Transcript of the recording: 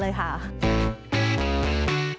เด็กดีแบ่งกันนะ